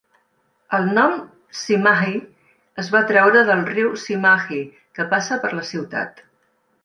El nom Cimahi es va treure del riu Cimahi que passa per la ciutat.